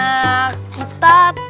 aduh aku nyari nyari